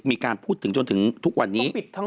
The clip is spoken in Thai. มีการพูดถึงจนถึงทุกวันนี้